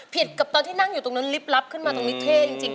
กับตอนที่นั่งอยู่ตรงนั้นลิบลับขึ้นมาตรงนี้เท่จริง